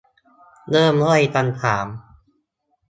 เริ่มด้วยคำถาม